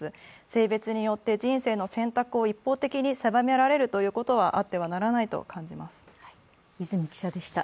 性別によって人生の選択を一方的に狭められるということはあってはならないと感じます。